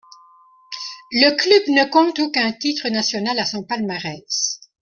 Le club ne compte aucun titre national à son palmarès.